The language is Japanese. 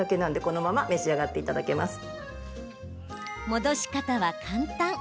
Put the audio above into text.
戻し方は簡単。